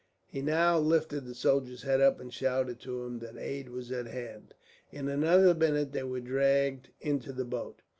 He now lifted the soldier's head up, and shouted to him that aid was at hand. In another minute they were dragged into the boat.